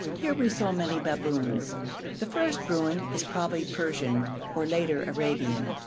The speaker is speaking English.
Here we saw many baboons. The first ruin is probably Persian or later Arabian.